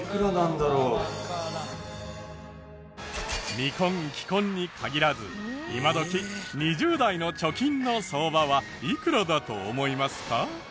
未婚既婚に限らず今どき２０代の貯金の相場はいくらだと思いますか？